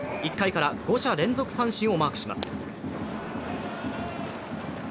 １回から五者連続三振をマークします。